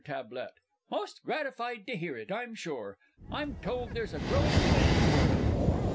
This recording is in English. T. Most gratified to hear it, I'm sure. I'm told there's a growing demand for it.